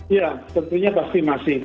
iya tentunya pasti masih